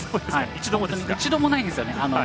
一度もないんですよね。